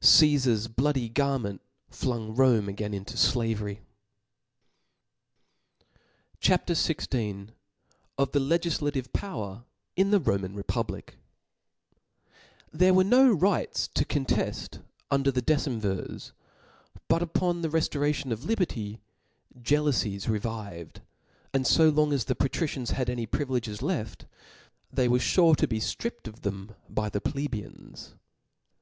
Caefar's bloody garment flung Romp again into flavery. CHAP. XVI. O/* the legijlathe Power in the Roman Republic *H E R E were no rights tp conteft, under the decemvifs : but upon the reftoration of liberty, jealoufies revived ; and fo long as the Patricians had any privileges left, they were furc to be ftripped of them by the plebeian^.